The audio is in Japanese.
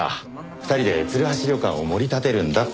２人で鶴橋旅館をもり立てるんだって。